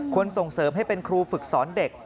ส่งเสริมให้เป็นครูฝึกสอนเด็ก